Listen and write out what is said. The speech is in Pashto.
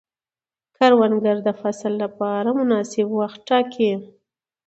کروندګر د فصل لپاره مناسب وخت ټاکي